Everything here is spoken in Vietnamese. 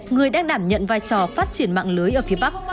người đang đảm nhận vai trò phát triển mạng lưới ở phía bắc